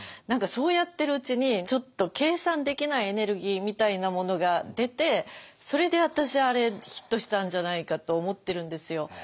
何かそうやってるうちにちょっと計算できないエネルギーみたいなものが出てそれで私あれヒットしたんじゃないかと思ってるんですよ。